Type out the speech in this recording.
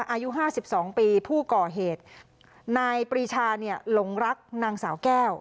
อายุห้าสิบสองปีผู้ก่อเหตุนายปรีชาเนี่ยหลงรักนางสาวแก้ว